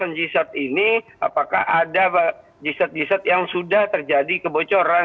kemungkinan terjadinya kebocoran ataupun pengambilan data yang masih bisa ditanggulangi berlin